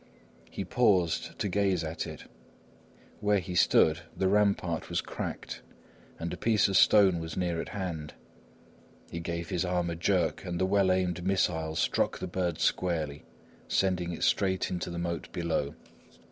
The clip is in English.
He paused to gaze at it; where he stood the rampart was cracked and a piece of stone was near at hand; he gave his arm a jerk and the well aimed missile struck the bird squarely, sending it straight into the moat below.